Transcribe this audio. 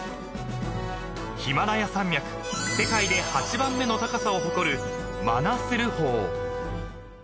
［ヒマラヤ山脈世界で８番目の高さを誇るマナスル峰］